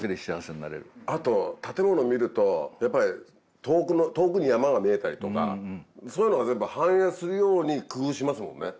あと建物見るとやっぱり遠くに山が見えたりとかそういうのが全部反映するように工夫しますもんね。